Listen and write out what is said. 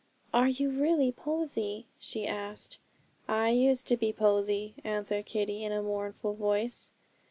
'Are you really Posy?' she asked. 'I used to be Posy,' answered Kitty, in a mournful voice.